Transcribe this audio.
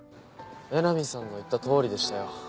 江波さんの言ったとおりでしたよ。